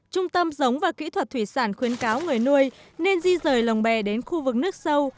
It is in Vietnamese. trung tâm giống và kỹ thuật thủy sản khuyến cáo người nuôi nên di rời lồng bè đến khu vực nước sâu